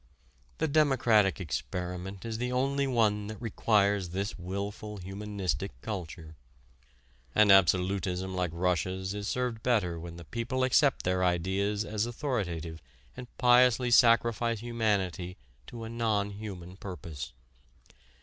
The democratic experiment is the only one that requires this wilful humanistic culture. An absolutism like Russia's is served better when the people accept their ideas as authoritative and piously sacrifice humanity to a non human purpose.